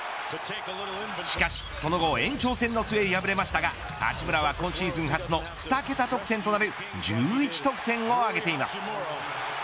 しかしその後、延長戦の末敗れましたが、八村は今シーズン初の２桁得点となる１１得点を挙げています。